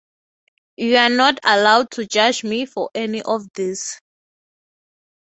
You’re not allowed to judge me for any of this.